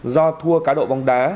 do thua cá độ bóng đá